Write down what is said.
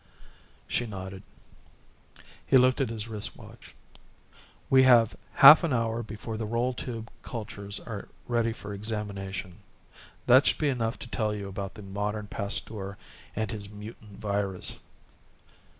She nodded. He looked at his wrist watch. "We have half an hour before the roll tube cultures are ready for examination. That should be enough to tell you about the modern Pasteur and his mutant virus.